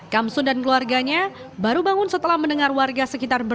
kamsun dan keluarganya baru bangun setelah mendengar warga sekitar